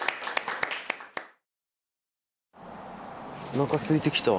おなかすいてきた。